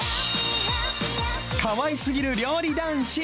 かわいすぎる料理男子。